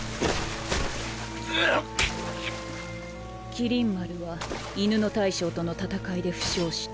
麒麟丸は犬の大将との戦いで負傷した。